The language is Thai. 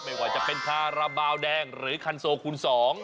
ไม่ว่าจะเป็นคาราบาลแดงหรือคันโซคูณ๒